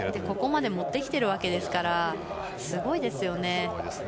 ここまで持ってきてるわけですからすごいですよね。